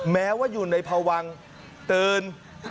แม้ว่าอยู่ในพวังตื่น